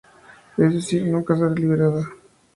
Es decir, nunca será liberada.